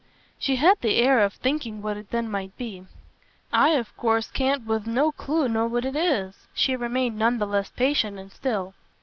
She had the air of thinking what it then might be. "I of course can't, with no clue, know what it is." She remained none the less patient and still.